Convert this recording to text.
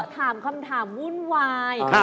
ถามคำถามวุ่นวาย